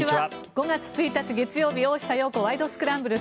５月１日、月曜日「大下容子ワイド！スクランブル」。